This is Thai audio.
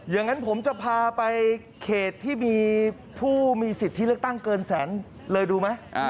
อย่างนั้นผมจะพาไปเขตที่มีผู้มีสิทธิเลือกตั้งเกินแสนเลยดูไหม